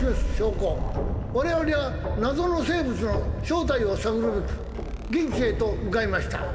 われわれは謎の生物の正体を探るべく現地へと向かいました。